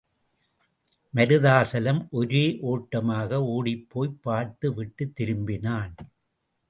மருதாசலம் ஒரே ஓட்டமாக ஓடிப்போய்ப் பார்த்து விட்டுத் திரும்பினான்.